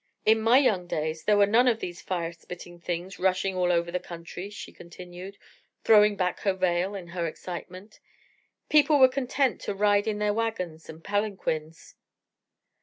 "In my young days there were none of these fire spitting things rushing all over our country," she continued, throwing back her veil in her excitement; "people were content to ride in their wagons and palanquins."